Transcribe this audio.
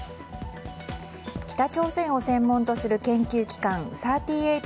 北朝鮮を専門とする研究機関３８